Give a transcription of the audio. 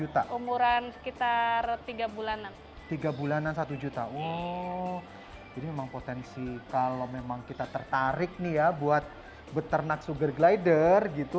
tiga bulanan satu juta jadi memang potensi kalau memang kita tertarik nih ya buat beternak sugar glider gitu